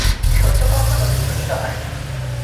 সত্য কখনও বিলুপ্ত হয় না।